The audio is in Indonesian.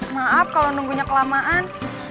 maaf kalo nunggunya kelamaan